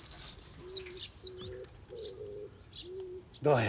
どうや？